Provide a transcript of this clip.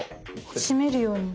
しめるように。